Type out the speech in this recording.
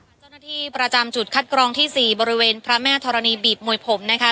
เจ้าหน้าที่ประจำจุดคัดกรองที่๔บริเวณพระแม่ธรณีบีบมวยผมนะคะ